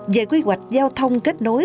về quy hoạch giao thông kết nối